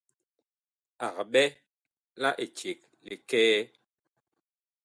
Ag ɓɛ la eceg likɛɛ.